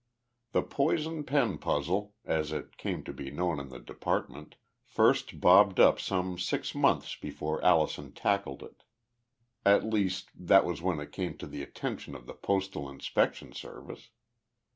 The poison pen puzzle, as it came to be known in the department, first bobbed up some six months before Allison tackled it. At least, that was when it came to the attention of the Postal Inspection Service.